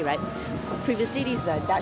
sebelumnya ini adalah tempat jawa